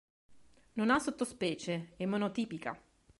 Non ha sottospecie, è monotipica.